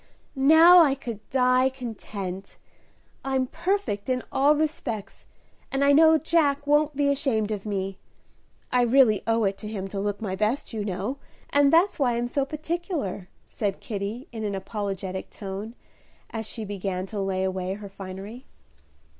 "Now I could die content; I'm perfect in all respects, and I know Jack won't be ashamed of me. I really owe it to him to look my best, you know, and that's why I'm so particular," said Kitty, in an apologetic tone, as she began to lay away her finery.